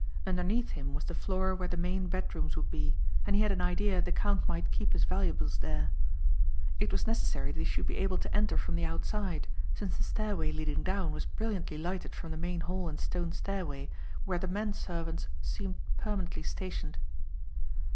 Underneath him was the floor where the main bedrooms would be and he had an idea the count might keep his valuables there. It was necessary that he should be able to enter from the outside since the stairway leading down was brilliantly lighted from the main hall and stone stairway where the men servants seemed permanently stationed.